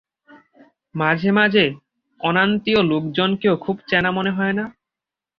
মাঝে মাঝে অনান্তীয় লোকজনকেও খুব চেনা মনে হয় না?